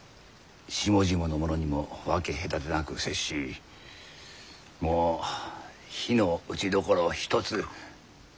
下々の者にも分け隔てなく接しもう非のうちどころ一つ。